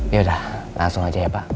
yaudah langsung aja ya pak